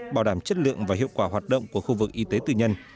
bảo đảm chất lượng và hiệu quả hoạt động của khu vực y tế tư nhân